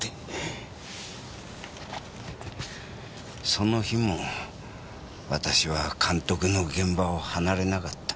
その日も私は監督の現場を離れなかった。